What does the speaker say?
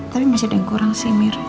tapi masih ada yang kurang sih mir